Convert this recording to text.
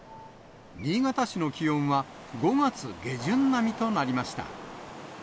新潟市の気温は５月下旬並みとなりました。